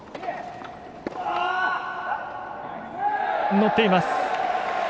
乗っています。